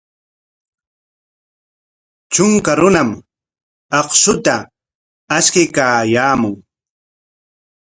Trunka runam akshuta ashtaykaayaamun.